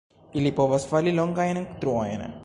Ili povas fari longajn truojn.